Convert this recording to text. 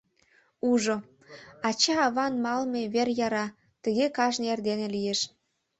Ужо: ача-аван малыме вер яра, тыге кажне эрдене лиеш.